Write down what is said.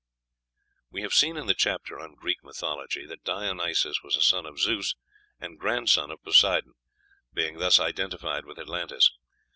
We have seen in the chapter on Greek mythology that Dionysos was a son of Zeus and grandson of Poseidon, being thus identified with Atlantis.